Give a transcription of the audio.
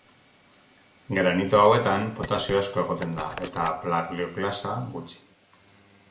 Granito hauetan potasio asko egoten da, eta plagioklasa gutxi.